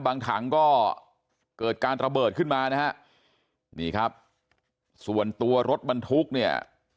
ถังก็เกิดการระเบิดขึ้นมานะฮะนี่ครับส่วนตัวรถบรรทุกเนี่ย